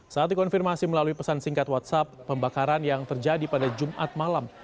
saat dikonfirmasi melalui pesan singkat whatsapp pembakaran yang terjadi pada jumat malam